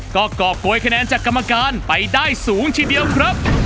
ก็กรอบโกยคะแนนจากกรรมการไปได้สูงทีเดียวครับ